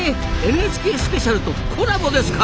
「ＮＨＫスペシャル」とコラボですか！